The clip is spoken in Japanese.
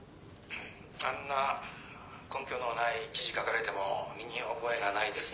「あんな根拠のない記事書かれても身に覚えがないですね。